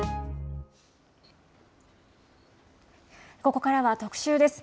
ここからは特集です。